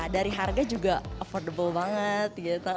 dari harga juga affordable banget gitu